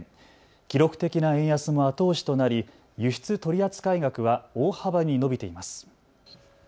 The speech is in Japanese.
記録的な円安も後押しとなり輸出取り扱い額は大幅に伸びています。